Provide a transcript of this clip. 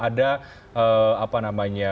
ada apa namanya